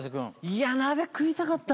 いや鍋食いたかった。